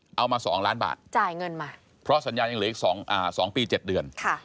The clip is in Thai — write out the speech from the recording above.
เอามา๒ล้านบาทจ่ายเงินมาเพราะสัญญายังเหลืออีก๒ปี๗เดือน